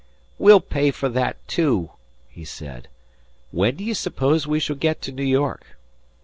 "We'll pay for that too," he said. "When do you suppose we shall get to New York?"